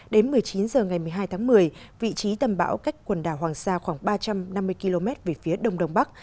đến một mươi chín h ngày một mươi hai tháng một mươi vị trí tầm bão cách quần đảo hoàng sa khoảng ba trăm năm mươi km về phía đông đông bắc